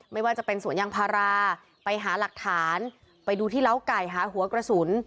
ไม่ว่าจะเป็นสวนยางพาราไปหาหลักฐานไปดูที่เล้าไก่หาหัวกระสุน